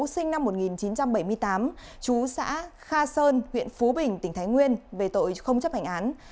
sinh năm một nghìn chín trăm bảy mươi tám chú xã kha sơn huyện phú bình tỉnh thái nguyên về tội không chấp hành án